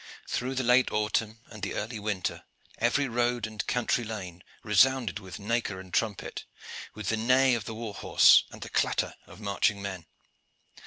Through the late autumn and the early winter every road and country lane resounded with nakir and trumpet, with the neigh of the war horse and the clatter of marching men.